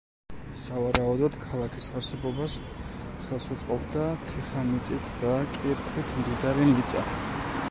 სავარაუდოდ, ქალაქის არსებობას ხელს უწყობდა თიხამიწით და კირქვით მდიდარი მიწა.